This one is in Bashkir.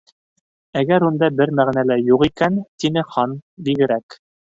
—Әгәр унда бер мәғәнә лә юҡ икән, —тине Хан, —бигерәк